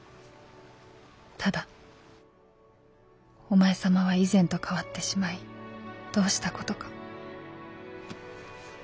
ただお前様は以前と変わってしまいどうしたことか」。